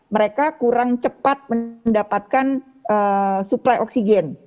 mereka kurang cepat mendapatkan suplai oksigen